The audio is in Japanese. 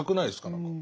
何か。